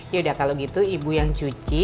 yaudah kalau gitu ibu yang cuci